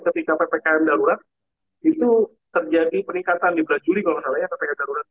ketika ppkm darurat itu terjadi peningkatan di bulan juli kalau gak salahnya